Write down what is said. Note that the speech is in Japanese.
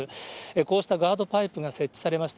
こうしたガードパイプが設置されました。